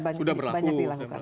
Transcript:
dan ini sudah banyak dilakukan